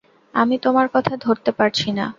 আমি তোমার কথা ধরতে পারছি না।